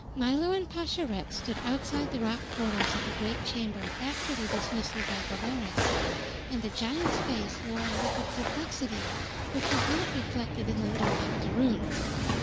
Milo and Pascherette stood outside the rock portals of the great chamber after their dismissal by Dolores, and the giant's face wore a look of perplexity which was not reflected in the little octoroon.